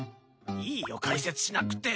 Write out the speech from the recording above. いいよ解説しなくて。